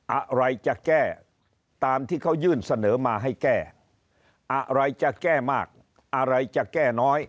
อะไรจะแก้ตามที่เขายื่นเสนอมาให้แก้อะไรจะแก้มากอะไรจะแก้น้อย